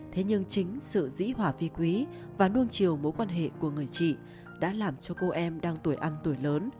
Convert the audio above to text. thế nhưng chính sự dĩ hòa phi quý và nuông chiều mối quan hệ của người chị đã làm cho cô em đang tuổi ăn tuổi lớn